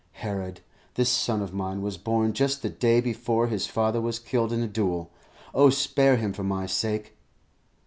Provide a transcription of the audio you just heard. Herod, this son of mine, was born just the day before his father was killed in a duel. Oh, spare him for my sake!"